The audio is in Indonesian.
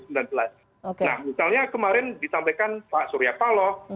nah misalnya kemarin disampaikan pak surya paloh